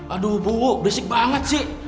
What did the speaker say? aduh bu basic banget sih